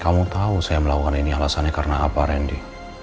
kamu tahu saya melakukan ini alasannya karena apa randy